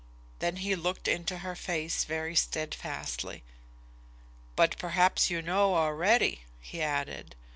Then he looked into her face very steadfastly. "But perhaps you know already," he added.